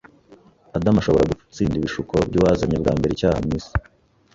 Adamu ashobora gutsinda ibishuko by’uwazanye bwa mbere icyaha mu isi.